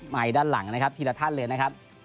ด้านหลังนะครับทีละท่านเลยนะครับ